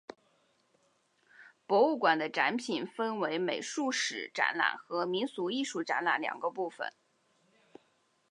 博物馆的展品分为美术史展览和民俗艺术展览两个部分。